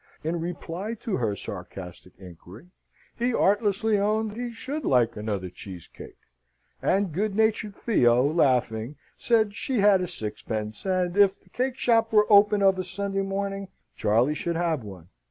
In reply to her sarcastic inquiry, he artlessly owned he should like another cheese cake, and good natured Theo, laughing, said she had a sixpence, and if the cake shop were open of a Sunday morning Charley should have one.